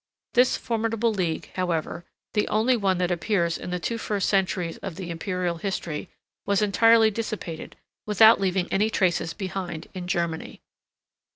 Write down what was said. This formidable league, however, the only one that appears in the two first centuries of the Imperial history, was entirely dissipated, without leaving any traces behind in Germany.